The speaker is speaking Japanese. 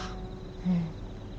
うん。